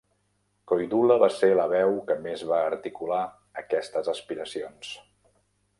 Koidula va ser la veu que més va articular aquestes aspiracions.